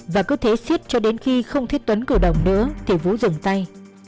và cứ thế xiết cho đến khi không thích tuấn cử động nữa thì vũ dừng tay